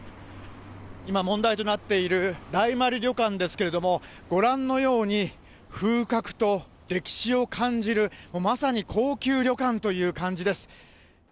今、問題となっている大丸旅館ですけれども、ご覧のように、風格と歴史を感じる、もうまさに高級旅館という感じです。